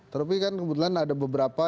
tapi kan kebetulan ada beberapa